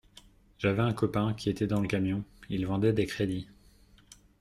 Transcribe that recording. J’avais un copain qui était dans le camion, il vendait des crédits